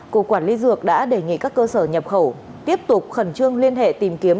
cục quản lý dược đã đề nghị các cơ sở nhập khẩu tiếp tục khẩn trương liên hệ tìm kiếm